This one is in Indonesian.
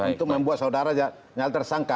untuk membuat saudara nyala tersangka